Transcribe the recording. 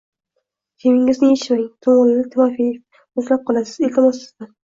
Kiyimingizni yechmang, – toʻngʻilladi Timofeev. – Muzlab qolasiz. Iltimos sizdan!